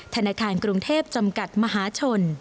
ธนาคารกรุงเทพจำกัดมหาชน